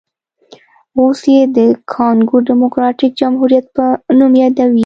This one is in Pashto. اوس یې د کانګو ډیموکراټیک جمهوریت په نوم یادوي.